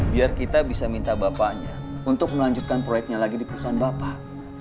biar kita bisa minta bapaknya untuk melanjutkan proyeknya lagi di perusahaan bapak